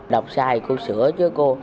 đọc sai cô sửa cho cô